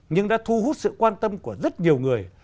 nhưng đã thu hút sự quan tâm của rất nhiều người